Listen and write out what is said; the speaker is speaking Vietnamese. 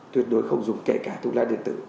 tuyệt đối không dùng kể cả thuốc lá điện tử